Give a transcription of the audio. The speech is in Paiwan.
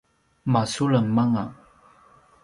masulem anga